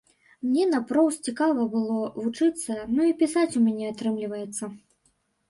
Мне наўпрост цікава было вучыцца, ну і пісаць у мяне атрымліваецца.